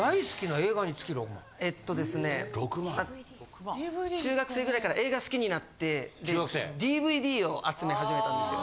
えっとですね中学生ぐらいから映画好きになってＤＶＤを集め始めたんですよ。